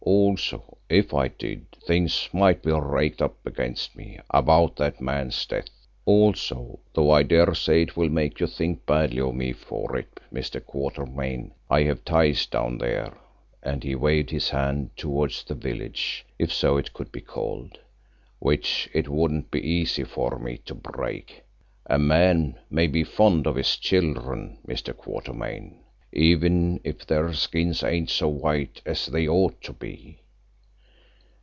Also, if I did, things might be raked up against me, about that man's death. Also, though I daresay it will make you think badly of me for it, Mr. Quatermain, I have ties down there," and he waved his hand towards the village, if so it could be called, "which it wouldn't be easy for me to break. A man may be fond of his children, Mr. Quatermain, even if their skins ain't so white as they ought to be.